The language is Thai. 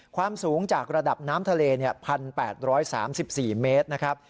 ความสูงจากระดับน้ำทะเล๑๘๓๔เมตรนะครับ